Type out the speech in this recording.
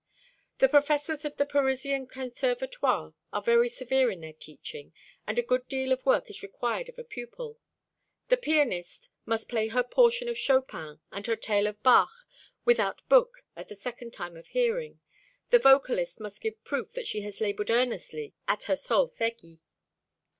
The professors of the Parisian Conservatoire are very severe in their teaching, and a good deal of work is required of a pupil. The pianiste must play her portion of Chopin and her tale of Bach without book at the second time of hearing. The vocalist must give proof that she has laboured earnestly at her solfeggi.